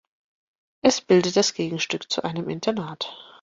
Es bildet das Gegenstück zu einem Internat.